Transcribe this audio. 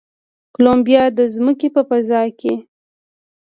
کولمبیا د ځمکې په فضا کې